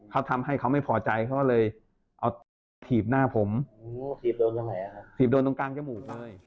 เขาทำให้เขาไม่พอใจก็เลยถีบหน้าผมถีบโรงงานใกล้มูกเลย